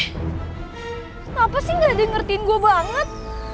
kenapa sih nggak dengerin gue banget